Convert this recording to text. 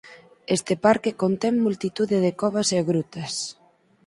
Este parque contén multitude de covas e grutas.